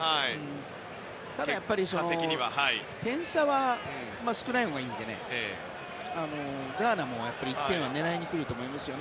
ただ、点差は少ないほうがいいのでガーナも１点は狙いに来ると思いますよ。